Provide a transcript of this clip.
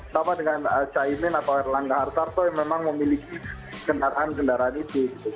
sama dengan caimin atau erlangga hartarto yang memang memiliki kendaraan kendaraan itu